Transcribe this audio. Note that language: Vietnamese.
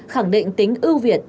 khẳng định tính ưu việt